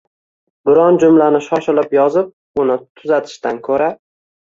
Biron jumlani shoshilib yozib, uni tuzatishdan ko‘ra